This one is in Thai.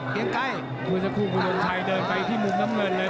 พรุซะครู่ภูโด็ชายเดินไปที่มุมน้ำเงินเลย